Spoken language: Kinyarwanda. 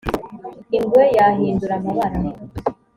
ingwe yahindura amabara